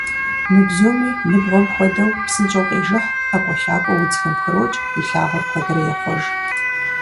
Мы бзуми, ныбгъуэм хуэдэу, псынщӀэу къежыхь, ӀэкӀуэлъакӀуэу удзхэм пхрокӀ, и лъагъуэр куэдрэ ехъуэж.